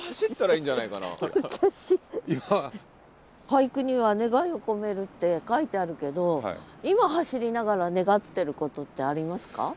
俳句には「願いを込める」って書いてあるけど今走りながら願ってることってありますか？